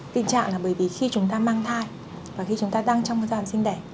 tình trạng là bởi vì khi chúng ta mang thai và khi chúng ta đang trong cái giai đoạn sinh đẻ